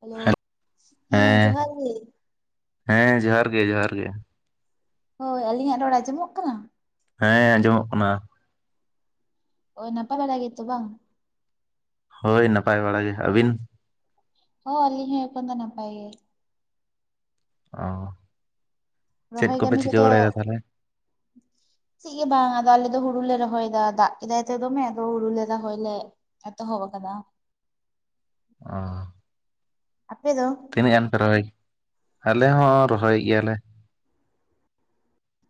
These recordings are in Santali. ᱦᱮᱞᱳ ᱦᱮᱸ ᱡᱚᱦᱟᱨ ᱜᱮ ᱦᱮᱸ ᱡᱚᱦᱟᱨ ᱜᱮ ᱡᱚᱦᱟᱨ ᱜᱮ ᱦᱳᱭ ᱟᱹᱞᱤᱧᱟᱜ ᱨᱚᱲ ᱟᱸᱡᱚᱢᱚᱜ ᱠᱟᱱᱟ ᱦᱮᱸ ᱟᱸᱡᱚᱢᱚᱜ ᱠᱟᱱᱟ ᱦᱳᱭ ᱱᱟᱯᱟᱭ ᱵᱟᱲᱟ ᱜᱮᱛᱚ ᱵᱟᱝ ᱦᱳᱭ ᱱᱟᱯᱟᱭ ᱵᱟᱲᱟ ᱜᱮ ᱟᱹᱵᱤᱱ ᱦᱚᱸ ᱚᱞᱤ ᱦᱚᱸ ᱮᱠᱷᱚᱱ ᱫᱚ ᱱᱟᱯᱟᱭ ᱜᱮ ᱚᱻ ᱪᱮᱫ ᱨᱚᱦᱚᱭ ᱠᱚᱯᱮ ᱠᱟᱹᱢᱤ ᱪᱤᱠᱟᱹ ᱠᱚᱫᱚ ᱵᱟᱲᱟᱭ ᱫᱟ ᱛᱟᱦᱞᱮ [unintelligible] ᱪᱮᱜ ᱜᱮ ᱵᱟᱝ ᱟᱫᱚ ᱟᱞᱮ ᱫᱚ ᱦᱩᱲᱩ ᱞᱮ ᱨᱚᱦᱚᱭ ᱫᱟ ᱫᱟᱜ ᱠᱮᱫᱟᱭ ᱛᱚ ᱫᱚᱢᱮ ᱟᱫᱚ ᱦᱩᱲᱩᱞᱮ ᱨᱚᱦᱚᱭ ᱞᱮ ᱮᱛᱚᱦᱚᱵ ᱟᱠᱟᱫᱟ ᱚ ᱟᱯᱮ ᱫᱚ ᱛᱤᱱᱟᱹᱜ ᱜᱟᱱ ᱯᱮ ᱨᱚᱦᱚᱭ ᱼᱼ ᱟᱞᱮ ᱦᱚᱸ ᱨᱚᱦᱚᱭᱮᱜ ᱜᱮᱭᱟᱞᱮ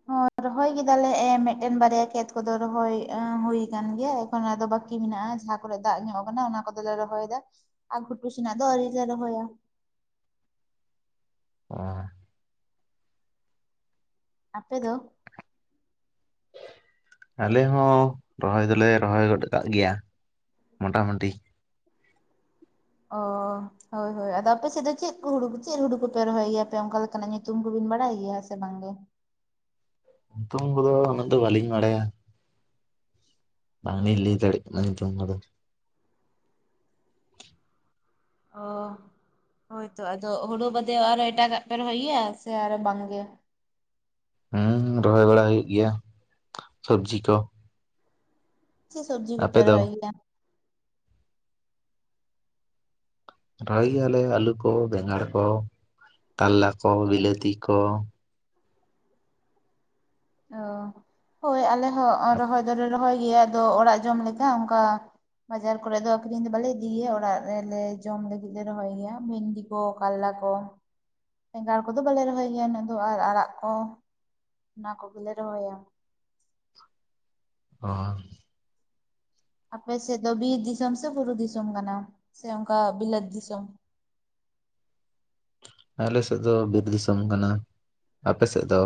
ᱦᱚᱸ ᱨᱚᱦᱚᱭ ᱠᱮᱫᱟᱞᱮ ᱮ ᱢᱤᱫᱴᱮᱱ ᱵᱟᱨᱭᱟ ᱠᱷᱮᱛ ᱠᱚᱫᱚ ᱨᱚᱦᱚᱭ ᱮ ᱦᱩᱭ ᱠᱟᱱ ᱜᱮᱭᱟ ᱚᱱᱟ ᱫᱚ ᱵᱟᱹᱠᱤ ᱢᱮᱱᱟᱜᱼᱟ ᱡᱟᱦᱟᱸ ᱠᱚᱨᱮ ᱫᱟᱜ ᱧᱚᱜ ᱠᱟᱱᱟ ᱚᱱᱟ ᱠᱚᱫᱚᱞᱮ ᱨᱚᱦᱚᱭ ᱫᱟ ᱟᱨ ᱜᱷᱩᱴᱩ ᱥᱮᱱᱟᱜ ᱫᱚ ᱟᱹᱨᱤᱞᱮ ᱨᱚᱦᱭᱟ [unintelligible] ᱟᱯᱮ ᱫᱚ ᱟᱞᱮ ᱦᱚᱸ ᱨᱚᱦᱚᱭ ᱫᱚᱞᱮ ᱨᱚᱦᱚᱭ ᱜᱚᱫ ᱠᱟᱜ ᱜᱮᱭᱟ ᱢᱚᱴᱟᱢᱩᱴᱤ ᱚ ᱦᱳᱭ ᱦᱳᱭ ᱟᱫᱚ ᱟᱯᱮ ᱥᱮᱫ ᱫᱚ ᱪᱮᱫ ᱠᱚ ᱦᱩᱲᱩ ᱪᱮᱫ ᱦᱩᱲᱩ ᱠᱚᱯᱮ ᱨᱚᱦᱚᱭ ᱜᱮᱭᱟᱯᱮ ᱚᱱᱠᱟ ᱞᱮᱠᱟᱱᱟᱜ ᱧᱩᱛᱩᱢ ᱠᱚᱵᱤᱱ ᱵᱟᱲᱟᱭ ᱜᱮᱭᱟ ᱥᱮ ᱵᱟᱝᱜᱮ ᱛᱩᱝ [inaudible] ᱠᱚ ᱫᱚ ᱚᱱᱟ ᱫᱚ ᱵᱟᱞᱤᱧ ᱵᱟᱰᱟᱭᱟ ᱾ ᱵᱟᱝᱞᱤᱞ ᱞᱟᱹᱭ ᱫᱟᱲᱮᱜ ᱠᱟᱱᱟ ᱞᱩᱛᱩᱢ ᱠᱚᱫᱚ ᱾ ᱚᱻ ᱦᱳᱭᱛᱚ ᱟᱫᱚ ᱦᱩᱲᱩ ᱵᱟᱫᱮ ᱟᱨᱚ ᱮᱴᱟᱜᱟᱜ ᱯᱮ ᱨᱚᱦᱚᱭ ᱜᱮᱭᱟ ᱥᱮ ᱟᱨᱚ ᱵᱟᱝᱜᱮ ᱦᱩᱸᱻ ᱨᱚᱦᱚᱭ ᱵᱟᱲᱟ ᱦᱩᱭᱩᱜ ᱜᱮᱭᱟ ᱥᱚᱵᱽᱡᱤ ᱠᱚ ᱪᱮᱫ ᱥᱚᱵᱽᱡᱤ ᱠᱚᱯᱮ ᱟᱯᱮ ᱫᱚ ᱨᱚᱦᱚᱭ ᱜᱮᱭᱟ ᱨᱚᱦᱚᱭ ᱜᱮᱭᱟᱞᱮ ᱟᱹᱞᱩ ᱠᱚ ᱵᱮᱸᱜᱟᱲ ᱠᱚ ᱠᱟᱞᱞᱟ ᱠᱚ ᱵᱤᱞᱟᱹᱛᱤ ᱠᱚ ᱚ ᱦᱳᱭ ᱟᱞᱮ ᱦᱚᱸ [unintelligible] ᱨᱚᱦᱚᱭ ᱫᱚᱞᱮ ᱨᱚᱦᱚᱭ ᱜᱮᱭᱟ ᱟᱫᱚ ᱚᱲᱟᱜ ᱡᱚᱢ ᱞᱮᱠᱟ ᱚᱱᱠᱟ ᱵᱟᱡᱟᱨ ᱠᱚᱨᱮ ᱫᱚ ᱟᱹᱠᱷᱨᱤᱧ ᱫᱚ ᱵᱟᱞᱮ ᱤᱫᱤᱭᱭᱟ ᱚᱲᱟᱜ ᱨᱮᱞᱮ ᱡᱚᱢ ᱞᱟᱹᱜᱤᱫ ᱞᱮ ᱫᱚᱦᱚᱭ ᱜᱮᱭᱟ [unintelligible] ᱠᱚ ᱠᱟᱞᱞᱟ ᱠᱚ ᱵᱮᱸᱜᱟᱲ ᱠᱚᱫᱚ ᱵᱟᱞᱮ ᱨᱚᱦᱚᱭ ᱜᱮᱭᱟ ᱩᱱᱟᱹᱜ ᱫᱚ ᱟᱨ ᱟᱲᱟᱜ ᱠᱚ ᱚᱱᱟ ᱠᱚᱜᱮᱞᱮ ᱨᱚᱦᱚᱭᱟ ᱚᱻ ᱟᱯᱮ ᱥᱮᱫ ᱫᱚ ᱵᱤᱨ ᱫᱤᱥᱚᱢ ᱥᱮ ᱵᱩᱨᱩ ᱫᱤᱥᱚᱢ ᱠᱟᱱᱟ ᱥᱮ ᱚᱱᱠᱟ ᱵᱤᱞᱟᱹᱛ ᱫᱤᱥᱚᱢ? ᱟᱞᱮ ᱥᱮᱫ ᱫᱚ ᱵᱤᱨ ᱫᱤᱥᱚᱢ ᱠᱟᱱᱟ᱾ ᱟᱯᱮᱥᱮᱫ ᱫᱚ?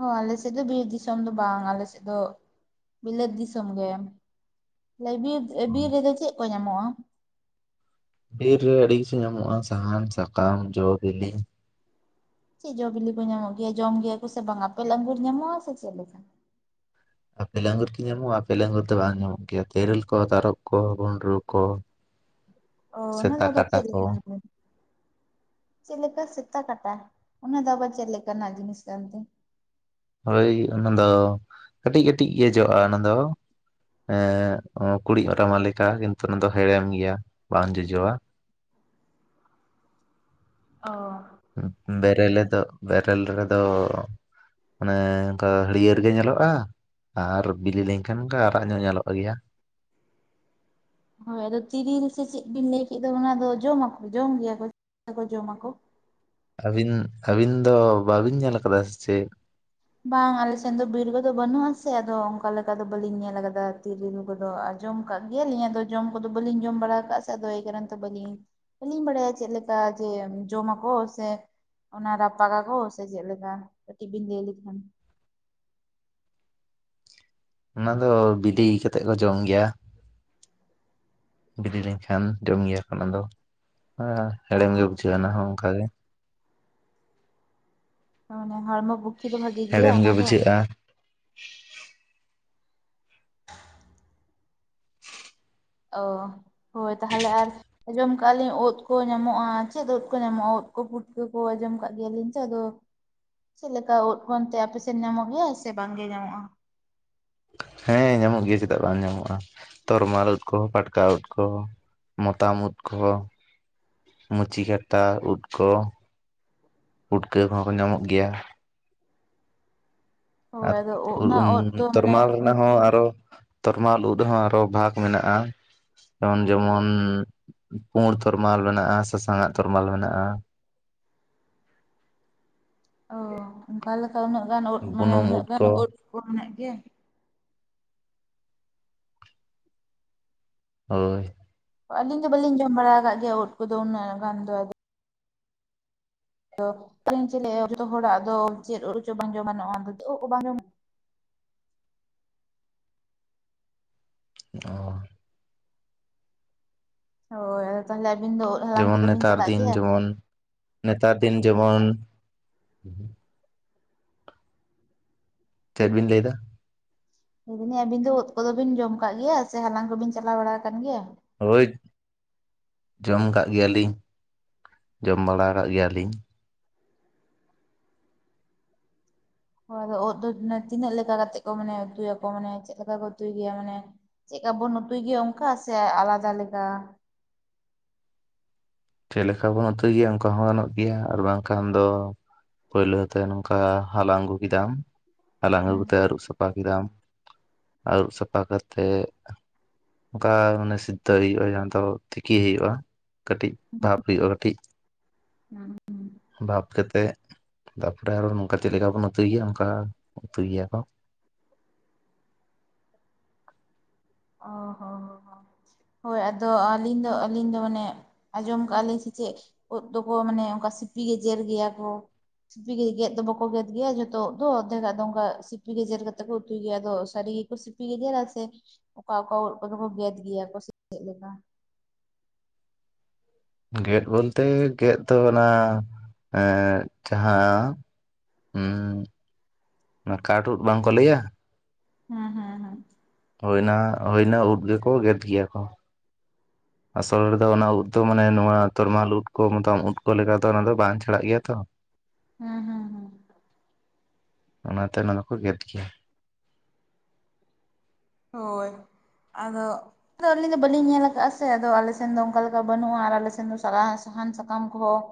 ᱚ ᱟᱞᱮ ᱥᱮᱫ ᱫᱚ ᱵᱤᱨ ᱫᱤᱥᱚᱢ ᱫᱚ ᱵᱟᱝ ᱟᱞᱮ ᱥᱮᱫ ᱫᱚ ᱵᱤᱞᱟᱹᱛ ᱫᱤᱥᱚᱢ ᱜᱮ᱾ [unintelligible] ᱵᱤᱨ ᱵᱤᱨ ᱨᱮᱫᱚ ᱪᱮᱫ ᱠᱚ ᱧᱟᱢᱚᱜᱼᱟ ᱵᱤᱨ ᱨᱮ ᱟᱹᱰᱤ ᱠᱤᱪᱷᱩ ᱧᱟᱢᱚᱜᱼᱟ ᱥᱟᱦᱟᱱ ᱥᱟᱠᱟᱢ ᱡᱚ ᱵᱤᱞᱤ᱾ ᱪᱮᱫ ᱡᱚ ᱵᱤᱞᱤ ᱠᱚ ᱧᱟᱢᱚᱜ ᱜᱮᱭᱟ ᱡᱚᱢ ᱜᱮᱭᱟ ᱠᱚ ᱥᱮ ᱵᱟᱝ ᱟᱯᱮ ᱞᱟᱹᱜᱤᱫ ᱧᱟᱢᱚᱜᱼᱟ ᱥᱮ ᱪᱮᱫ ᱞᱮᱠᱟ ᱟᱯᱮ ᱞᱝᱜᱩᱨ ᱠᱤ ᱧᱟᱢᱚᱜᱼᱟ ᱟᱯᱮᱞ ᱞᱟᱝᱝᱜᱩᱨ ᱫᱚ ᱵᱟᱝ ᱧᱟᱢᱚᱜ ᱜᱮᱭᱟ ᱛᱮᱨᱮᱞ ᱠᱚ ᱛᱟᱨᱚᱵ ᱠᱚ ᱜᱩᱸᱰᱨᱩ ᱠᱚ᱾ ᱚ ᱚᱱᱟ ᱫᱚ ᱥᱮᱛᱟ ᱟᱵᱟᱨ ᱠᱟᱴᱟ ᱪᱮᱫ ᱠᱚ ᱞᱮᱠᱟᱱ ᱛᱮ ᱪᱮᱫ ᱞᱮᱠᱟ ᱥᱮᱛᱟ ᱠᱟᱴᱟ ᱚᱱᱟ ᱫᱚ ᱟᱵᱟᱨ ᱪᱮᱫ ᱞᱮᱠᱟᱱᱟᱜ ᱡᱤᱱᱤᱥ ᱠᱟᱱ ᱛᱮ ᱾ ᱦᱳᱭ ᱚᱱᱟᱫᱚ ᱠᱟᱹᱴᱤᱡ ᱠᱟᱹᱴᱤᱡ ᱜᱮ ᱡᱚᱜᱼᱟ ᱚᱱᱟ ᱫᱚ᱾ ᱦᱮᱸ ᱠᱩᱲᱤᱫ ᱨᱟᱢᱟ ᱞᱮᱠᱟ ᱠᱤᱱᱛᱩ ᱚᱱᱟ ᱫᱚ ᱦᱮᱲᱮᱢ ᱜᱮᱭᱟ ᱵᱟᱝ ᱡᱚᱡᱚᱣᱟ। ᱚ ᱵᱮᱨᱮᱞᱮ ᱫᱚ ᱵᱮᱨᱮᱞ ᱨᱮᱫᱚ ᱼᱼ ᱢᱟᱱᱮ ᱚᱱᱠᱟ ᱦᱟᱹᱲᱭᱟᱹᱨ ᱜᱮ ᱧᱮᱞᱚᱜᱼᱟ ᱾ ᱟᱨ ᱵᱤᱞᱤ ᱞᱮᱱ ᱠᱷᱟᱱ ᱜᱮ ᱟᱨᱟᱜ ᱧᱚᱜ ᱧᱮᱞᱚᱜ ᱜᱮᱭᱟ᱾ ᱦᱳᱭ ᱟᱫᱚ ᱛᱤᱨᱤᱞ ᱥᱮ ᱪᱮᱫ ᱵᱤᱱ ᱞᱟᱹᱭ ᱠᱮᱫ ᱫᱚ ᱚᱱᱟ ᱫᱚ ᱡᱚᱢᱟᱠᱚ ᱡᱚᱢ ᱜᱮᱭᱟ ᱠᱚ ᱪᱮᱫ [inaudible] ᱠᱚ ᱡᱚᱢᱟᱠᱚ ᱟᱹᱵᱤᱱ ᱟᱹᱵᱤᱱ ᱫᱚ ᱵᱟᱵᱤᱱ ᱧᱮᱞ ᱟᱠᱟᱫᱟ ᱥᱮ ᱪᱮᱫ? ᱵᱟᱝ ᱟᱞᱮᱥᱱ ᱫᱚ ᱵᱤᱨ ᱠᱚᱫᱚ ᱵᱟᱹᱱᱩᱜ ᱟᱥᱮ ᱟᱫᱚ ᱚᱱᱠᱟ ᱞᱮᱠᱟ ᱫᱚ ᱵᱟᱹᱞᱤᱧ ᱧᱮᱞ ᱟᱠᱟᱫᱟ ᱛᱤᱨᱤᱞ ᱠᱚᱫᱚ ᱟᱨ ᱼᱼ ᱡᱚᱢ ᱠᱟᱜ ᱜᱮᱭᱟᱞᱤᱧ ᱟᱫᱚ ᱡᱚᱢ ᱠᱚᱫᱚ ᱵᱟᱹᱞᱤᱧ ᱡᱚᱢ ᱵᱟᱲᱟ ᱟᱠᱟᱫᱼᱟ ᱥᱮ ᱟᱫᱚ ᱮᱭ ᱠᱟᱨᱚᱱ ᱛᱮ ᱵᱟᱹᱞᱤᱧ ᱵᱟᱹᱞᱤᱧ ᱵᱟᱲᱟᱭᱟ ᱪᱮᱫ ᱞᱮᱠᱟ ᱡᱮ ᱡᱚᱢᱟᱠᱚ ᱥᱮ ᱼᱼ ᱚᱱᱟ ᱨᱟᱯᱟᱜᱟᱠᱚ ᱥᱮ ᱪᱮᱫ ᱞᱮᱠᱟ ᱠᱟᱹᱴᱤᱡ ᱵᱤᱱ ᱞᱟᱹᱭ ᱞᱮᱠᱷᱟᱱ᱾ ᱚᱱᱟ ᱫᱚ ᱵᱤᱞᱤ ᱠᱟᱛᱮᱜ ᱠᱚ ᱡᱚᱢ ᱜᱮᱭᱟ᱾ ᱵᱤᱞᱤ ᱞᱮᱱᱠᱷᱟᱱ ᱡᱚᱢ ᱜᱮᱭᱟᱠᱚ ᱚᱱᱟ ᱫᱚ ᱚ ᱦᱮᱲᱮᱢ ᱜᱮ ᱵᱩᱡᱷᱟᱹᱜᱼᱟ ᱚᱱᱟ ᱦᱚᱸ ᱚᱱᱠᱟᱜᱮ᱾ ᱢᱟᱱᱮ ᱦᱚᱲᱢᱚ ᱯᱩᱠᱷᱽᱤ ᱫᱚ ᱵᱷᱟᱜᱤ ᱜᱮᱭᱟ ᱦᱮᱲᱮᱢ ᱚᱱᱟ ᱜᱮ ᱫᱚ? ᱵᱩᱡᱷᱟᱹᱜᱼᱟ ᱚ ᱦᱳᱭ ᱛᱟᱦᱚᱞᱮ ᱟᱨ ᱼᱼ ᱟᱸᱡᱚᱢ ᱠᱟᱜᱼᱟ ᱞᱤᱧ ᱩᱛ ᱠᱚ ᱧᱟᱢᱚᱜᱼᱟ ᱪᱮᱫ ᱩᱫ ᱠᱚ ᱧᱟᱢᱚᱜᱼᱟ ᱚᱛ ᱠᱚ ᱯᱩᱴᱠᱟᱹ ᱠᱚ ᱟᱸᱡᱚᱢ ᱠᱟᱜ ᱜᱮᱭᱟᱞᱤᱧ ᱛᱚ ᱟᱫᱚ ᱪᱮᱫ ᱞᱮᱠᱟ ᱩᱫ ᱠᱚ ᱚᱱᱛᱮ ᱟᱯᱮᱥᱮᱫ ᱧᱟᱢᱚᱜ ᱜᱮᱭᱟ ᱥᱮ ᱵᱟᱝᱜᱮ ᱧᱟᱢᱚᱜᱼᱟ? ᱦᱮᱸ ᱧᱟᱢᱚᱜ ᱜᱮᱭᱟ ᱪᱮᱫᱟᱜ ᱵᱟᱝ ᱧᱟᱢᱚᱜᱼᱟ ᱛᱚᱨᱢᱟᱞ ᱩᱫ ᱠᱚ ᱯᱟᱴᱠᱟ ᱩᱫ ᱠᱚ᱾ ᱢᱚᱛᱟᱢ ᱩᱫ ᱠᱚ ᱢᱩᱪᱤ ᱠᱷᱟᱛᱟ ᱩᱫ ᱠᱚ᱾ ᱯᱩᱴᱠᱟᱹ ᱠᱚᱦᱚᱸ ᱠᱚ ᱧᱟᱢᱚᱜ ᱜᱮᱭᱟ᱾ ᱦᱳᱭ ᱟᱨ ᱟᱫᱚ ᱚᱱᱟ ᱳᱫ ᱫᱚ [inaudible] ᱢᱟᱱᱮ ᱛᱨᱢᱟᱞ ᱚᱱᱟ ᱦᱚᱸ ᱟᱨᱚ ᱛᱚᱨᱢᱟᱞ ᱩᱫ ᱨᱮᱦᱚᱸ ᱟᱨᱚ ᱵᱷᱟᱜᱽ ᱢᱮᱱᱟᱜᱼᱟ। ᱡᱮᱢᱚᱱ ᱡᱮᱢᱚᱱ ᱯᱩᱰ ᱛᱚᱨᱢᱟᱞ ᱢᱮᱱᱟᱜᱼᱟ ᱥᱟᱥᱟᱝᱼᱟᱜ ᱛᱚᱨᱢᱟᱞ ᱢᱮᱱᱟᱜᱼᱟ। ᱚ ᱚᱠᱟ ᱞᱮᱠᱟ ᱩᱱᱟᱹᱜ ᱜᱟᱱ ᱩᱫ ᱢᱟᱱᱮ ᱩᱱᱟᱹᱜ ᱜᱟᱱ ᱩᱫ ᱠᱚ ᱢᱮᱱᱟᱜ ᱜᱮᱭᱟ? ᱦᱳᱭ ᱟᱹᱞᱤᱧ ᱫᱚ ᱵᱟᱹᱞᱤᱧ ᱡᱚᱢ ᱵᱟᱲᱟ ᱟᱠᱟᱫ ᱜᱮᱭᱟ ᱩᱫ ᱠᱚᱫᱚ ᱩᱱᱟᱹᱜ ᱜᱟᱱ ᱫᱚ ᱟᱫᱚ ᱮᱧ ᱪ [inaudible] ᱡᱚᱛᱚ [inaudible] ᱦᱚᱲᱟᱜ ᱫᱚ ᱪᱮᱫ ᱪᱚ ᱵᱟᱝ ᱡᱚᱢ ᱜᱟᱱᱚᱜᱼᱟ ᱩᱫ ᱠᱚ ᱵᱟᱝ ᱡᱚᱢ ᱚ ᱦᱳᱭ ᱟᱫᱚ ᱛᱟᱦᱚᱞᱮ ᱟᱹᱵᱤᱱ ᱫᱚ ᱩᱫ ᱦᱟᱞᱟᱝ ᱡᱮᱢᱚᱱ ᱠᱚᱫᱚ ᱵᱤᱱ ᱱᱮᱛᱟᱨ ᱪᱟᱞᱟᱜ ᱫᱤᱱ ᱜᱮᱭᱟ? ᱡᱮᱢᱚᱱ ᱱᱮᱛᱟᱨ ᱫᱤᱱ ᱡᱮᱢᱚᱱ ᱪᱮᱫ ᱵᱤᱱ ᱞᱟᱹᱭ ᱮᱫᱟ ᱞᱟᱹᱭ [inaudible] ᱫᱟᱞᱤᱧ [inaudible] ᱟᱵᱤᱱ ᱫᱚ ᱩᱫ ᱠᱚᱫᱚ ᱵᱤᱱ ᱡᱚᱢ ᱟᱠᱟᱜ ᱜᱮᱭᱟ ᱥᱮ ᱦᱟᱞᱟᱝ ᱠᱚᱵᱤᱱ ᱪᱟᱞᱟᱣ ᱵᱟᱲᱟ ᱟᱠᱟᱱ ᱜᱮᱭᱟ? ᱦᱳᱭ ᱡᱚᱢ ᱠᱟᱜ ᱜᱮᱭᱟᱞᱤᱧ ᱡᱚᱢ ᱵᱟᱲᱟ ᱠᱟᱜ ᱜᱮᱭᱟᱞᱤᱧ᱾ ᱦᱳᱭ ᱟᱫᱚ ᱩᱫ ᱫᱚ ᱛᱤᱱᱟᱹᱜ ᱞᱮᱠᱟ ᱠᱟᱛᱮᱫ ᱠᱚ ᱢᱟᱱᱮ ᱩᱛᱩᱭᱟᱠᱚ ᱢᱟᱱᱮ ᱪᱮᱫ ᱞᱮᱠᱟ ᱠᱚ ᱩᱛᱩᱭ ᱜᱮᱭᱟ ᱢᱟᱱᱮ ᱼᱼ ᱪᱮᱫᱠᱟᱵᱚᱱ ᱩᱛᱩᱭ ᱜᱮᱭᱟ ᱚᱱᱠᱟ ᱥᱮ ᱟᱞᱟᱫᱟ ᱞᱮᱠᱟ? ᱪᱮᱫ ᱞᱮᱠᱟ ᱵᱚᱱ ᱩᱛᱩᱭ ᱜᱮᱭᱟ ᱚᱱᱠᱟ ᱦᱚᱸ ᱜᱟᱱᱚᱜ ᱜᱮᱭᱟ ᱟᱨ ᱵᱟᱝᱠᱷᱟᱱ ᱫᱚ ᱼᱼ ᱯᱳᱭᱞᱳ ᱛᱮ [unintelligible] ᱱᱚᱝᱠᱟ ᱦᱟᱞᱟᱝ ᱟᱹᱜᱩ ᱠᱮᱫᱟᱢ ᱦᱟᱞᱟᱝ ᱟᱹᱜᱩ ᱦᱮᱸ ᱠᱟᱛᱮ ᱟᱹᱨᱩᱵ ᱥᱟᱯᱷᱟ ᱠᱮᱫᱟᱢ, ᱟᱹᱨᱩᱵ ᱥᱟᱯᱷᱟ ᱠᱟᱛᱮᱜ ᱚᱱᱠᱟ ᱢᱟᱱᱮ ᱥᱤᱫᱽᱫᱷᱚ ᱦᱩᱭᱩᱜᱼᱟ ᱡᱟᱦᱟᱸ ᱫᱚ ᱛᱤᱠᱤ ᱦᱩᱭᱩᱜᱼᱟ ᱠᱟᱹᱴᱤᱡ᱾ ᱫᱷᱟᱯ [unintelligible] ᱠᱟᱹᱴᱤᱡ। ᱦᱩᱸ ᱦᱩᱸ ᱵᱟᱵᱽ ᱠᱟᱛᱮᱫ ᱛᱟᱯᱚᱨᱮ ᱟᱨᱚ ᱱᱚᱝᱠᱟ ᱪᱮᱫ ᱞᱮᱠᱟ ᱵᱚᱱ ᱩᱛᱩᱭ ᱜᱮᱭᱟ ᱚᱱᱠᱟ ᱩᱛᱩᱭ ᱜᱮᱭᱟ ᱠᱚ ᱚ ᱦᱚᱸ ᱦᱳᱭ ᱟᱫᱚ ᱟᱹᱞᱤᱧ ᱫᱚ ᱟᱹᱞᱤᱧ ᱫᱚ ᱢᱟᱱᱮ ᱟᱸᱡᱚᱢ ᱠᱟᱜᱼᱟ ᱞᱮ ᱥᱮ ᱪᱮᱫ ᱠᱚᱫ ᱫᱚᱠᱚ ᱢᱟᱱᱮ ᱚᱱᱠᱟ ᱥᱤᱯᱤ ᱜᱮ ᱡᱮᱨ ᱜᱮᱭᱟ ᱠᱚ ᱥᱤᱯᱤ ᱜᱮ ᱜᱮᱫ ᱫᱚ ᱵᱟᱠᱚ ᱜᱮᱫ ᱜᱮᱭᱟ ᱡᱷᱚᱛᱚ ᱫᱚ ᱟᱫᱷᱮᱠᱟ ᱫᱚ ᱚᱱᱠᱟ ᱥᱤᱯᱤ ᱜᱮᱡᱮᱨ ᱠᱟᱛᱮ ᱠᱚ ᱩᱛᱩᱭ ᱜᱮᱭᱟ ᱟᱫᱚ ᱥᱟᱹᱨᱤ ᱜᱮᱠᱚ ᱥᱤᱯᱤ ᱥᱤᱯᱤ ᱜᱤᱫᱮᱨ ᱥᱮ ᱚᱠᱟ ᱚᱠᱟ [unintelligible] ᱠᱚᱫᱚ ᱠᱚ ᱜᱮᱫ ᱜᱮᱭᱟ ᱠᱚ ᱥᱮ ᱪᱮᱫ ᱞᱮᱠᱟ ᱜᱮᱫ ᱵᱚᱞᱛᱮ ᱜᱮᱫ ᱫᱚ ᱚᱱᱟ [unintelligible] ᱡᱟᱦᱟᱸ [inaudible] ᱚᱱᱟ ᱠᱟᱴᱩᱫ ᱵᱟᱝᱠᱚ ᱞᱟᱹᱭᱟ ᱦᱮᱸ ᱦᱮᱸ ᱦᱮᱸ ᱦᱳᱭᱱᱟ ᱦᱳᱭᱱᱟ ᱩᱫ ᱜᱮᱠᱚ ᱜᱮᱫ ᱜᱮᱭᱟ ᱠᱚ ᱟᱥᱚᱞ ᱨᱮᱫᱚ ᱚᱱᱟ ᱩᱫ ᱫᱚ ᱢᱟᱱᱮ ᱱᱚᱣᱟ ᱛᱚᱨᱢᱟᱞ ᱩᱫ ᱠᱚ ᱢᱚᱛᱟᱢ ᱩᱫ ᱠᱚ ᱞᱮᱠᱟ ᱫᱚ ᱚᱱᱟ ᱫᱚ ᱵᱟᱝ ᱪᱷᱟᱲᱟᱜ ᱜᱮᱭᱟ ᱛᱚ [inaudible] ᱦᱮᱸ ᱦᱮᱸ ᱦᱮᱸ ᱚᱱᱟᱛᱮ ᱚᱱᱟ ᱫᱚᱠᱚ ᱜᱮᱫ ᱜᱮᱭᱟ ᱦᱳᱭ [inaudible] ᱟᱫᱚ ᱟᱫᱚ ᱟᱹᱞᱤᱧ ᱫᱚ ᱵᱟᱹᱞᱤᱧ ᱧᱮᱞ ᱟᱠᱟᱫᱟ ᱥᱮ ᱟᱫᱚ ᱟᱞᱮ ᱥᱮᱱ ᱫᱚ ᱚᱱᱠᱟ ᱞᱮᱠᱟ ᱵᱟᱹᱱᱩᱜᱼᱟ ᱟᱞᱮ ᱥᱮᱱ ᱫᱚ [unintelligible] ᱥᱟᱦᱟᱱ ᱥᱟᱠᱟᱢ ᱠᱚᱦᱚᱸ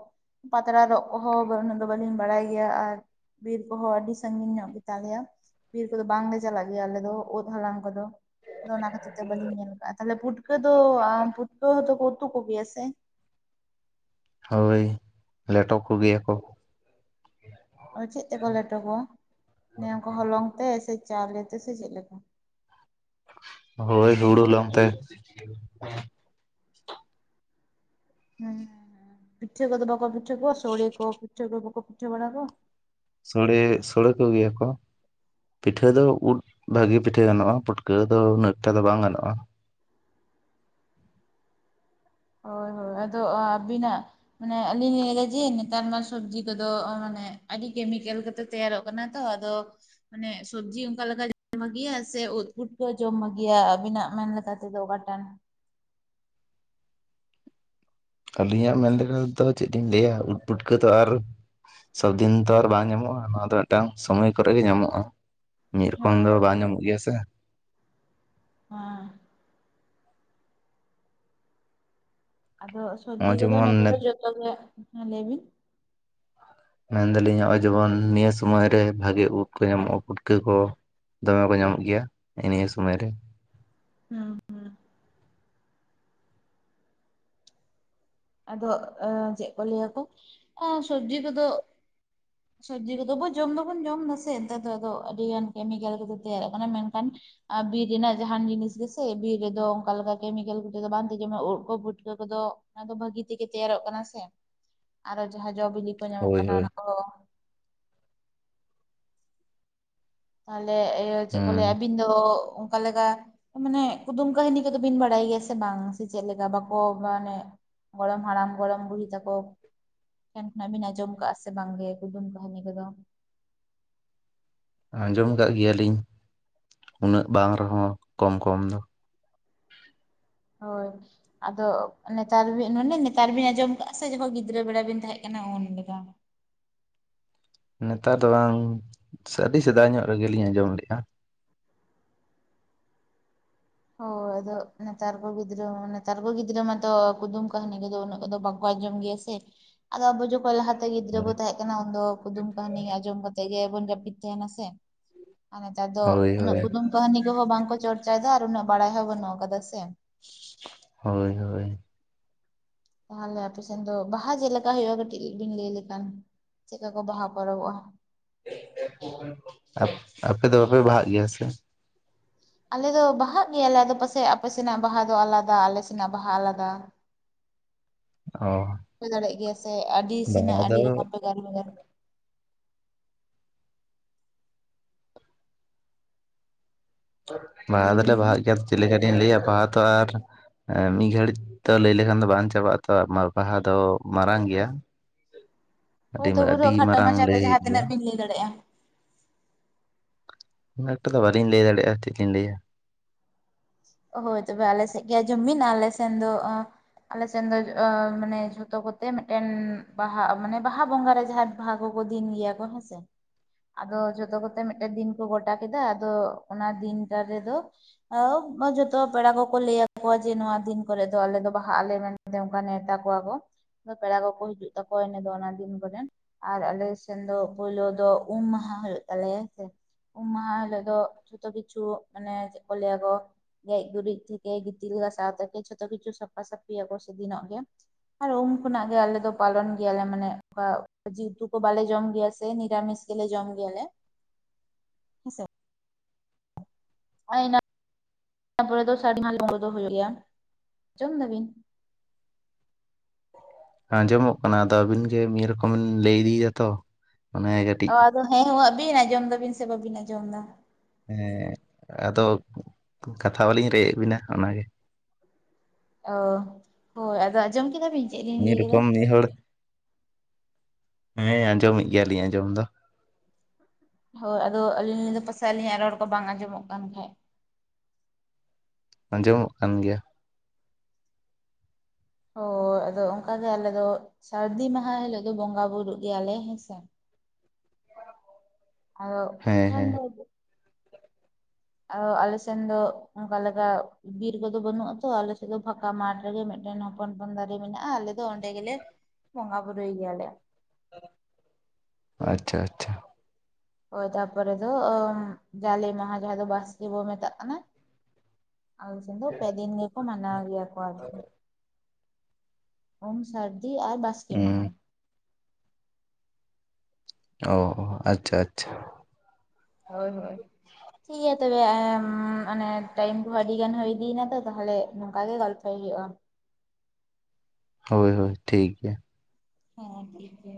ᱯᱟᱛᱲᱟ ᱨᱚᱜ ᱠᱚᱦᱚᱸ [unintelligible] ᱩᱱᱟᱹᱜ ᱫᱚ ᱵᱟᱹᱞᱤᱧ ᱵᱟᱲᱟᱭ ᱜᱮᱭᱟ ᱟᱨ ᱵᱤᱨ ᱠᱚᱦᱚᱸ ᱟᱹᱰᱤ ᱥᱟᱺᱜᱤᱧ ᱧᱚᱜ ᱜᱮᱛᱟᱞᱮᱭᱟ ᱵᱤᱨ ᱠᱚᱫᱚ ᱵᱟᱝᱞᱮ ᱪᱟᱞᱟᱜ ᱜᱮᱭᱟ ᱟᱞᱮ ᱫᱚ ᱩᱫ ᱦᱟᱞᱟᱝ ᱦᱮᱞᱳ ᱟᱫᱚ ᱚᱱᱟ ᱠᱷᱟᱹᱛᱤᱨ ᱛᱮ ᱵᱟᱹᱞᱤᱧ ᱧᱮᱞ ᱠᱟᱜᱼᱟ ᱛᱟᱦᱚᱞᱮ ᱯᱩᱴᱠᱟᱹ ᱫᱚ [unintelligible] ᱯᱩᱴᱠᱟᱹ ᱦᱚᱸᱛᱚᱠᱚ ᱩᱛᱩ ᱠᱚ ᱜᱮᱭᱟ ᱥᱮ ᱦᱳᱭ [inaudible] ᱞᱮᱴᱚ ᱠᱚ ᱜᱮᱭᱟ ᱠᱚ ᱟᱨ ᱪᱮᱫ ᱛᱮᱠᱚ ᱞᱮᱴᱚ ᱠᱚᱣᱟ [unintelligible] ᱚᱱᱠᱟ ᱦᱚᱞᱚᱝ ᱛᱮ ᱥᱮ ᱪᱟᱣᱞᱮ ᱛᱮ ᱥᱮ ᱪᱮᱫ ᱞᱮᱠᱟ ᱦᱳᱭ ᱦᱩᱲᱩ ᱦᱚᱞᱚᱝ ᱛᱮ [unintelligible] ᱦᱮᱸ [inaudible] ᱯᱤᱴᱷᱟᱹ ᱠᱚᱫᱚ ᱵᱟᱠᱚ ᱯᱤᱴᱷᱟᱹ ᱠᱚᱣᱟ ᱥᱳᱲᱮ ᱠᱚ ᱯᱤᱴᱷᱟᱹ ᱠᱚ ᱵᱟᱠᱚ ᱯᱤᱴᱷᱟᱹ ᱵᱟᱲᱟ ᱠᱚᱣᱟ ᱥᱚᱲᱮ ᱥᱩᱲᱟᱹ ᱠᱚ ᱜᱮᱭᱟ ᱠᱚ ᱯᱤᱴᱷᱟᱹ ᱫᱚ ᱩᱫ ᱵᱷᱟᱹᱜᱤ ᱯᱤᱴᱷᱟᱹ ᱜᱟᱱᱚᱜᱼᱟ ᱯᱩᱴᱠᱟᱹ ᱫᱚ ᱩᱱᱟᱹᱜ ᱮᱠᱴᱟ ᱫᱚ ᱵᱟᱝ ᱜᱟᱱᱚᱜᱼᱟ ᱦᱳᱭ ᱦᱳᱭ ᱟᱫᱚ ᱟᱹᱵᱤᱱᱟᱜ ᱢᱟᱱᱮ ᱟᱹᱞᱤᱧ ᱞᱤᱧ ᱞᱟᱹᱭ ᱮᱫᱟ ᱡᱮ ᱱᱮᱛᱟᱨ ᱢᱟ ᱥᱚᱵᱽᱡᱤ ᱠᱚᱫᱚ [unintelligible] ᱢᱟᱱᱮ ᱟᱹᱰᱤ ᱠᱮᱢᱤᱠᱮᱞ ᱠᱟᱛᱮ ᱛᱮᱭᱟᱨᱚᱜ ᱠᱟᱱᱟ ᱛᱚ ᱟᱫᱚ ᱢᱟᱱᱮ ᱥᱚᱵᱽᱡᱤ ᱚᱱᱠᱟ ᱞᱮᱠᱟ [unintelligible] ᱵᱷᱟᱹᱜᱤᱭᱟ ᱥᱮ ᱩᱫ ᱯᱩᱴᱠᱟᱹ ᱡᱚᱢ ᱵᱷᱟᱹᱜᱤᱭᱟ ᱟᱹᱵᱤᱱᱟᱜ ᱢᱮᱱ ᱞᱮᱠᱟ ᱩᱫ ᱫᱚ ᱚᱠᱟᱴᱟᱝ ᱟᱹᱞᱤᱧᱟᱜ ᱢᱮᱱ ᱞᱮᱠᱟ ᱛᱮᱫᱚ ᱪᱮᱫ ᱞᱤᱧ ᱞᱟᱹᱭᱟ ᱩᱫ ᱯᱩᱴᱠᱟᱹ ᱛᱚ ᱟᱨ ᱥᱚᱵ ᱫᱤᱱ ᱛᱚ ᱟᱨ ᱵᱟᱝ ᱧᱟᱢᱚᱜᱼᱟ ᱱᱚᱣᱟ ᱫᱚ ᱢᱤᱫᱴᱟᱝ ᱥᱚᱢᱚᱭ ᱠᱚᱨᱮ ᱜᱮ ᱧᱟᱢᱚᱜᱼᱟ ᱢᱤᱫ ᱨᱚᱠᱚᱢ ᱦᱳᱭ ᱫᱚ ᱦᱳᱭ ᱵᱟᱝ ᱦᱳᱭ ᱧᱟᱢᱚᱜ ᱜᱮᱭᱟ ᱥᱮ ᱦᱮᱸ ᱟᱫᱚ ᱥᱚᱵᱽᱡᱤ ᱱᱚᱜᱼᱚᱭ ᱠᱚᱫᱚ ᱡᱮᱢᱚᱱ ᱱᱮᱛᱟᱨ ᱫᱚ ᱡᱚᱛᱚᱜᱮ [unintelligible] ᱞᱟᱹᱭ ᱵᱤᱱ ᱢᱮᱱᱫᱟᱞᱤᱧ ᱱᱚᱜᱼᱚᱸᱭ ᱡᱮᱢᱚᱱ ᱱᱤᱭᱟᱹ ᱥᱚᱢᱚᱭ ᱨᱮ ᱵᱷᱟᱹᱜᱤ ᱩᱫ ᱠᱚ ᱧᱟᱢᱚᱜᱼᱟ ᱯᱩᱴᱠᱟᱹ ᱠᱚ ᱫᱚᱢᱮ ᱠᱚ ᱧᱟᱢᱚᱜ ᱜᱮᱭᱟ [unintelligible] ᱱᱤᱭᱟᱹ ᱥᱚᱢᱚᱭ ᱨᱮ [unintelligible] ᱟᱫᱚ ᱪᱮᱫ ᱠᱚ ᱞᱟᱹᱭᱟᱠᱚ ᱟᱸ ᱥᱚᱵᱡᱤ ᱠᱚᱫᱚ ᱥᱚᱵᱽᱡᱤ ᱠᱚᱫᱚ ᱡᱚᱢ ᱫᱚᱵᱚᱱ ᱡᱚᱢ ᱫᱟᱥᱮ ᱱᱮᱛᱟᱨ ᱫᱚ ᱟᱫᱚ ᱟᱹᱰᱤ ᱜᱟᱱ ᱠᱮᱢᱤᱠᱮᱞ ᱠᱚᱛᱮ ᱛᱮᱭᱟᱨᱚᱜ ᱠᱟᱱᱟ ᱢᱮᱱᱠᱷᱟᱱ ᱟᱨ ᱵᱤᱨ ᱨᱮᱱᱟᱜ ᱡᱟᱦᱟᱱ ᱡᱤᱱᱤᱥ ᱜᱮᱥᱮ ᱵᱤᱨ ᱨᱮᱫᱚ ᱚᱱᱠᱟ ᱞᱮᱠᱟ ᱠᱮᱢᱤᱠᱮᱞ ᱠᱚᱛᱮ ᱫᱚ ᱵᱟᱝ ᱛᱟᱦᱮᱸ ᱡᱮᱢᱚᱱ ᱩᱫ ᱠᱚ ᱯᱩᱴᱠᱟᱹ ᱠᱚᱫᱚ ᱚᱱᱟ ᱫᱚ ᱵᱷᱟᱹᱜᱤ ᱛᱮᱜᱮ ᱛᱮᱭᱟᱨᱚᱜ ᱠᱟᱱᱟ ᱥᱮ ᱟᱨᱦᱚ ᱡᱟᱦᱟᱸ ᱡᱚ ᱵᱤᱞᱤ ᱠᱚ ᱧᱟᱢᱚᱜ ᱦᱳᱭ ᱠᱟᱱᱟ ᱦᱳᱭ ᱚᱱᱟ ᱠᱚᱦᱚ ᱛᱟᱦᱚᱞᱮ ᱤᱭᱟᱹ ᱪᱮᱫ ᱠᱚ ᱦᱮᱸ ᱞᱟᱹᱭᱟ ᱟᱹᱵᱤᱱ ᱫᱚ ᱚᱱᱠᱟ ᱞᱮᱠᱟ ᱢᱟᱱᱮ ᱠᱩᱫᱩᱢ ᱠᱟᱹᱦᱱᱤ ᱠᱚᱫᱚ ᱵᱤᱱ ᱵᱟᱲᱟᱭ ᱜᱮᱭᱟ ᱥᱮ ᱵᱟᱝ ᱥᱮ ᱪᱮᱫ ᱞᱮᱠᱟ ᱵᱟᱠᱚ ᱢᱟᱱᱮ ᱜᱚᱨᱚᱢ ᱦᱟᱲᱟᱢ ᱜᱚᱨᱚᱢ ᱵᱩᱲᱦᱤ ᱛᱟᱠᱚ ᱴᱷᱮᱱ ᱠᱷᱚᱱᱟᱜ ᱵᱤᱱ ᱟᱸᱡᱚᱢ ᱠᱟᱜᱼᱟ ᱥᱮ ᱵᱟᱝᱜᱮ ᱠᱩᱫᱩᱢ ᱠᱟᱹᱦᱱᱤ ᱠᱚᱫᱚ ᱟᱸᱡᱚᱢ ᱠᱟᱫ ᱜᱮᱭᱟᱞᱤᱧ [inaudible] ᱩᱱᱟᱹᱜ ᱵᱟᱝ ᱨᱮᱦᱚᱸ ᱠᱚᱢ-ᱠᱚᱢ ᱫᱚ ᱦᱳᱭ ᱟᱫᱚ ᱱᱮᱛᱟᱨ [unintelligible] ᱢᱟᱱᱮ ᱱᱮᱛᱟᱨ ᱵᱤᱱ ᱟᱸᱡᱚᱢ ᱟᱠᱟᱫᱼᱟ ᱥᱮ ᱡᱚᱠᱷᱚᱱ ᱜᱤᱫᱽᱨᱟᱹ ᱵᱮᱲᱟ ᱵᱤᱱ ᱛᱟᱦᱮᱸ ᱠᱟᱱᱟ ᱩᱱᱞᱮᱠᱟ ᱱᱮᱛᱟᱨ ᱫᱚ ᱵᱟᱝ ᱟᱹᱰᱤ ᱥᱮᱫᱟᱭ ᱧᱚᱜ ᱨᱮᱜᱮᱞᱤᱧ ᱟᱸᱡᱚᱢ ᱞᱮᱜᱼᱟ ᱦᱳᱭ ᱟᱫᱚ ᱱᱮᱛᱟᱨ ᱠᱚ ᱜᱤᱫᱽᱨᱟᱹ ᱱᱮᱛᱟᱨ ᱠᱚ ᱜᱤᱫᱽᱨᱟᱹ ᱢᱟᱛᱚ ᱠᱩᱫᱩᱢ-ᱠᱟᱹᱦᱱᱤ ᱠᱚᱫᱚ ᱩᱱᱟᱹᱜ ᱠᱚᱫᱚ ᱵᱟᱝ ᱟᱸᱡᱚᱢ ᱜᱮᱭᱟ ᱥᱮ ᱟᱫᱚ ᱟᱵᱚ ᱡᱚᱠᱷᱚᱡ ᱞᱟᱦᱟ ᱜᱤᱫᱽᱨᱟᱹ ᱵᱚ ᱦᱳᱭ ᱛᱟᱦᱮᱸ ᱠᱟᱱᱟ ᱩᱱ ᱫᱚ ᱠᱩᱫᱩᱢ ᱠᱟᱹᱦᱱᱤ ᱟᱸᱡᱚᱢ ᱠᱟᱛᱮᱜ ᱜᱮᱵᱚᱱ ᱡᱟᱹᱯᱤᱫ ᱛᱟᱦᱮᱱᱟ ᱥᱮ ᱟᱨ ᱱᱮᱛᱟᱨ ᱫᱚ ᱦᱳᱭ ᱩᱱᱟᱹᱜ ᱦᱳᱭ ᱠᱩᱫᱩᱢ ᱠᱟᱹᱦᱱᱤ ᱠᱚᱦᱚᱸ ᱵᱟᱝ ᱠᱚ ᱪᱚᱨᱪᱟᱭᱮᱫᱟ ᱟᱨ ᱩᱱᱟᱹᱜ ᱵᱟᱲᱟᱭ ᱦᱚᱸ ᱵᱟᱹᱱᱩᱜ ᱠᱟᱫᱟ ᱥᱮ ᱦᱳᱭ ᱦᱳᱭ ᱛᱟᱦᱚᱞᱮ ᱟᱯᱮᱥᱱ ᱫᱚ ᱵᱟᱦᱟ ᱪᱮᱫ ᱞᱮᱠᱟ ᱦᱩᱭᱩᱜᱼᱟ ᱠᱟᱹᱴᱤᱡ ᱵᱤᱱ ᱞᱟᱹᱭ ᱞᱮᱠᱷᱟᱱ ᱪᱮᱫᱠᱟ ᱠᱚ ᱵᱟᱦᱟ ᱯᱚᱨᱚᱵᱚᱜᱼᱟ ᱟᱯᱮ ᱫᱚ ᱵᱟᱯᱮ ᱵᱟᱦᱟᱜ ᱜᱮᱭᱟ ᱥᱮ ᱟᱞᱮ ᱫᱚ ᱵᱟᱦᱟᱜ ᱜᱮᱭᱟᱞᱮ ᱟᱫᱚ ᱯᱟᱥᱮᱡ ᱟᱯᱮ ᱥᱮᱱᱟᱜ ᱵᱟᱦᱟ ᱫᱚ ᱟᱞᱟᱫᱟ ᱟᱞᱮ ᱥᱮᱱᱟᱜ ᱵᱟᱦᱟ ᱟᱞᱟᱫᱟ ᱚ ᱦᱳᱭ ᱫᱟᱲᱮᱭᱟᱜ ᱜᱮᱭᱟ ᱥᱮ ᱟᱹᱰᱤ ᱵᱟᱦᱟ ᱥᱮᱱᱟᱜ ᱟᱹᱰᱤ ᱫᱚ ᱨᱚᱠᱚᱢ ᱵᱷᱮᱜᱟᱨ ᱵᱷᱮᱜᱟᱨ ᱞᱟᱹᱭ ᱵᱟᱦᱟ ᱵᱤᱱ ᱫᱚᱞᱮ ᱢᱟ ᱵᱟᱦᱟᱜ ᱜᱮᱭᱟ ᱪᱮᱫ ᱞᱮᱠᱟᱛᱤᱧ ᱞᱟᱹᱭᱟ ᱵᱟᱦᱟ ᱛᱚ ᱟᱨ ᱢᱤᱫ ᱜᱷᱟᱹᱲᱤᱡ ᱫᱚ ᱞᱟᱹᱭ ᱞᱮᱠᱷᱟᱱ ᱫᱚ ᱵᱟᱝ ᱪᱟᱵᱟᱜᱼᱟ ᱛᱚ ᱵᱟᱦᱟ ᱫᱚ ᱢᱟᱨᱟᱝ ᱜᱮᱭᱟ ᱦᱳᱭ ᱟᱹᱰᱤ ᱛᱚᱵᱩ ᱨᱮᱦᱚ ᱟᱹᱰᱤ ᱠᱷᱟᱴᱚ ᱢᱟᱨᱟᱝ ᱢᱟᱪᱷᱟᱛᱮ ᱞᱟᱹᱭ ᱦᱩᱭᱩᱜ ᱡᱟᱦᱟᱸ ᱜᱮᱭᱟ ᱛᱤᱱᱟᱹᱜ ᱵᱤᱱ ᱞᱟᱹᱭ ᱫᱟᱲᱮᱭᱟᱜᱼᱟ ᱩᱱᱟᱹᱜ ᱮᱠᱴᱟ ᱫᱚ ᱵᱟᱞᱤᱧ ᱞᱟᱹᱭ ᱫᱟᱲᱮᱭᱟᱜᱼᱟ ᱪᱮᱫ ᱞᱤᱧ ᱞᱟᱹᱭᱟ ᱦᱳᱭ ᱛᱚᱵᱮ ᱟᱞᱮᱥᱮᱫ ᱜᱮ ᱟᱡᱚᱢ ᱵᱤᱱ ᱟᱞᱮ ᱥᱮᱱ ᱫᱚ ᱟᱞᱮᱥᱮᱱ ᱫᱚ ᱢᱟᱱᱮ ᱡᱷᱚᱛᱚ ᱠᱚᱛᱮ ᱢᱤᱫᱴᱮᱱ ᱵᱟᱦᱟ ᱢᱟᱱᱮ ᱵᱟᱦᱟ ᱵᱚᱸᱜᱟ ᱨᱮ ᱡᱟᱦᱟᱸ ᱵᱟᱦᱟ ᱠᱚ ᱠᱚ ᱫᱤᱱ ᱜᱮᱭᱟ ᱠᱚ ᱦᱮᱸ ᱥᱮ ᱟᱫᱚ ᱡᱷᱚᱛᱚ ᱠᱚᱛᱮ ᱢᱤᱫᱴᱮᱱ ᱫᱤᱱ ᱠᱚ ᱜᱚᱴᱟ ᱠᱮᱫᱟ ᱟᱫᱚ ᱚᱱᱟ ᱫᱤᱱᱴᱟ ᱨᱮᱫᱚ [inaudible] ᱵᱟ ᱡᱚᱛᱚ ᱯᱮᱲᱟ ᱠᱚᱠᱚ ᱞᱟᱹᱭᱟ ᱠᱚᱣᱟᱠᱚ ᱡᱮ ᱱᱚᱣᱟ ᱫᱤᱱ ᱠᱚᱨᱮ ᱫᱚ ᱟᱞᱮ ᱫᱚ ᱵᱟᱦᱟᱜ ᱟᱞᱮ ᱢᱮᱱᱛᱮ ᱚᱱ ᱱᱮᱶᱛᱟ ᱠᱚᱣᱟ ᱠᱚ ᱯᱮᱲᱟ ᱠᱚᱠᱚ ᱦᱤᱡᱩᱜ ᱛᱟᱠᱚᱣᱟ ᱤᱱᱟ ᱫᱚ ᱚᱱᱟ ᱫᱤᱱ ᱠᱚᱨᱮ ᱟᱨ ᱟᱞᱮ ᱥᱮᱱ ᱫᱚ ᱯᱳᱭᱞᱳ ᱫᱚ ᱩᱢ ᱢᱟᱦᱟ ᱦᱩᱭᱩᱜ ᱛᱟᱞᱮᱭᱟ ᱦᱮᱸ ᱥᱮ ᱩᱢ ᱢᱟᱦᱟ ᱦᱤᱞᱟᱹᱜ ᱫᱚ ᱡᱷᱚᱛᱚ ᱠᱤᱪᱷᱩ ᱢᱟᱱᱮ ᱪᱮᱫ ᱠᱚ ᱞᱟᱹᱭᱟ ᱠᱚ ᱜᱮᱡ ᱜᱩᱨᱤᱡ ᱛᱷᱮᱠᱮ ᱜᱤᱛᱤᱞ ᱜᱟᱥᱟᱣ ᱛᱷᱮᱠᱮ ᱡᱷᱚᱛᱚ ᱠᱤᱪᱷᱩ ᱥᱟᱯᱷᱟ ᱥᱟᱹᱯᱟᱥᱟᱯᱷᱤ ᱭᱟᱠᱚ ᱥᱮ ᱫᱤᱱᱚᱜ ᱜᱮ ᱟᱨ ᱩᱱ ᱠᱷᱚᱱᱟᱜ ᱜᱮ ᱟᱞᱮ ᱫᱚ ᱯᱟᱞᱚᱱ ᱜᱮᱭᱟᱞᱮ ᱢᱟᱱᱮ ᱚᱱᱠᱟ ᱡᱤ ᱩᱛᱩ ᱠᱚ ᱵᱟᱞᱮ ᱡᱚᱢ ᱜᱮᱭᱟ ᱥᱮ ᱱᱤᱨᱟᱢᱤᱥ ᱜᱮᱞᱮ ᱡᱚᱢ ᱜᱮᱭᱟᱞᱮ ᱦᱮᱸᱥᱮ [inaudible] ᱫᱚ ᱦᱩᱭᱩᱜ ᱜᱮᱭᱟ ᱟᱸᱡᱚᱢ ᱫᱟᱵᱤᱱ ᱟᱸᱡᱚᱢᱚᱜ ᱠᱟᱱᱟ ᱟᱫᱚ ᱟᱹᱵᱤᱱ ᱜᱮ ᱢᱤᱫ ᱨᱚᱠᱚᱢ ᱵᱤᱱ ᱞᱟᱹᱭ ᱤᱫᱤᱭᱮᱫᱟ ᱛᱚ ᱢᱟᱱᱮ ᱚ ᱠᱟᱹᱴᱤᱡ ᱟᱫᱚ ᱦᱮᱸ ᱦᱩᱸ ᱟᱹᱵᱤᱱ ᱟᱸᱡᱚᱢ ᱫᱟᱵᱤᱱ ᱥᱮ ᱵᱟᱵᱤᱱ ᱟᱸᱡᱚᱢ ᱮᱫᱟ ᱦᱮᱸ ᱟᱫᱚ ᱠᱟᱛᱷᱟ ᱵᱟᱞᱤᱧ ᱨᱮᱮᱫ ᱵᱮᱤᱱᱟ ᱚᱱᱟᱜᱮ ᱚ ᱦᱳᱭ ᱟᱫᱚ ᱟᱸᱡᱚᱢ ᱠᱮᱫᱟ ᱵᱤᱱ ᱪᱮᱫ ᱞᱤᱧ ᱢᱤᱫ ᱞᱟᱹᱭ ᱠᱮᱫᱟ ᱨᱚᱠᱚᱢ ᱢᱤᱫ ᱦᱚᱲ ᱦᱮᱸ ᱟᱸᱡᱚᱢᱮᱫ ᱜᱮᱭᱟᱞᱤᱧ ᱟᱸᱡᱚᱢ ᱫᱚ ᱦᱳᱭ ᱟᱫᱚ ᱟᱹᱞᱤᱧ ᱫᱚ ᱯᱟᱥᱮᱡ ᱟᱹᱞᱤᱧᱟᱜ ᱨᱚᱲ ᱠᱚ ᱵᱟᱝ ᱟᱸᱡᱚᱢᱚᱜ ᱠᱟᱱ ᱠᱷᱟᱡ ᱟᱸᱡᱚᱢᱚᱜ ᱠᱟᱱ ᱜᱮᱭᱟ ᱚ ᱟᱫᱚ ᱚᱱᱠᱟ ᱜᱮ ᱟᱞᱮ ᱫᱚ ᱥᱟᱹᱨᱫᱤ ᱢᱟᱦᱟ ᱦᱤᱞᱳᱜ ᱫᱚ ᱵᱚᱸᱜᱟ ᱵᱩᱨᱩᱜ ᱜᱮᱭᱟᱞᱮ ᱦᱮᱸᱥᱮ ᱦᱮᱸ ᱦᱮᱸ [unintelligible] ᱟᱨ ᱟᱞᱮ ᱥᱮᱱ ᱫᱚ ᱚᱱᱠᱟ ᱞᱮᱠᱟ ᱵᱤᱨ ᱠᱚᱫᱚ ᱵᱟᱹᱱᱩᱜ ᱟᱛᱚ ᱟᱞᱮᱥᱮᱫ ᱫᱚ ᱯᱷᱟᱸᱠᱟ ᱢᱟᱴᱷ ᱨᱮᱜᱮ ᱢᱤᱫᱴᱮᱱ ᱦᱚᱯᱚᱱ ᱦᱚᱯᱚᱱ ᱫᱟᱨᱮ ᱢᱮᱱᱟᱜᱼᱟ ᱟᱞᱮ ᱫᱚ ᱚᱸᱰᱮ ᱜᱮᱞᱮ ᱵᱚᱸᱜᱟᱵᱩᱨᱩᱨᱩ ᱜᱮᱭᱟᱞᱮ ᱟᱪᱪᱷᱟ ᱟᱪᱪᱷᱟ ᱦᱳᱭ ᱛᱟᱨᱯᱚᱨᱮ ᱫᱚ ᱡᱟᱞᱮ ᱢᱟᱦᱟ ᱡᱟᱦᱟᱸ ᱫᱚ ᱵᱟᱥᱠᱮ ᱵᱚ ᱢᱮᱛᱟᱜ ᱠᱟᱱᱟ ᱟᱞᱮ ᱥᱮᱫ ᱯᱮ ᱫᱤᱱ ᱜᱮᱠᱚ ᱢᱟᱱᱟ ᱜᱮᱭᱟ ᱠᱚ ᱟᱨᱠᱤ ᱩᱢ ᱥᱟᱹᱨᱫᱤ ᱟᱨ ᱵᱟᱥᱠᱮ ᱦᱩᱸ ᱢᱟᱦᱟ ᱚ ᱟᱪᱪᱷᱟ ᱟᱪᱪᱷᱟ ᱦᱳᱭ ᱦᱳᱭ ᱴᱷᱤᱠ ᱜᱮᱭᱟ ᱛᱚᱵᱮ ᱚᱱᱮ ᱴᱟᱭᱤᱢ ᱠᱚᱦᱚᱸ ᱟᱹᱰᱤ ᱜᱟᱱ ᱦᱩᱭ ᱤᱫᱤᱭᱱᱟ ᱛᱚ ᱛᱟᱦᱚᱞᱮ ᱱᱚᱝᱠᱟ ᱜᱮ ᱜᱚᱞᱯᱚ [inaudible] ᱥᱦᱼᱟ ᱦᱳᱭ ᱦᱳᱭ ᱴᱷᱤᱠ ᱜᱮᱭᱟ ᱦᱮᱸ ᱴᱷᱤᱠ ᱜᱮ